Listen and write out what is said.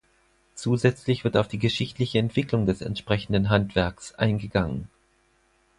Zusätzlich wird auf die geschichtliche Entwicklung des entsprechenden Handwerks eingegangen.